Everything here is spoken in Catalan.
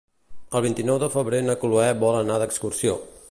El vint-i-nou de febrer na Chloé vol anar d'excursió.